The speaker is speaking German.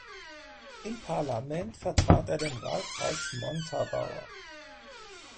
Im Parlament vertrat er den Wahlkreis Montabaur.